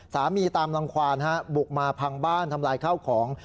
ตามรังควานบุกมาพังบ้านทำลายข้าวของ